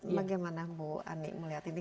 bagaimana bu ani melihat ini